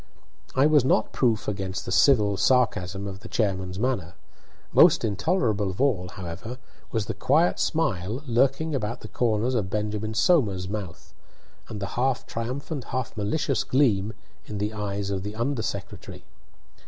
I was not proof against the civil sarcasm of the chairman's manner. Most intolerable of all, however, was the quiet smile lurking about the corners of Benjamin Somers's mouth, and the half triumphant, half malicious gleam in the eyes of the under secretary.